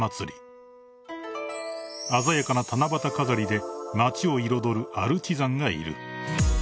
［鮮やかな七夕飾りで街を彩るアルチザンがいる］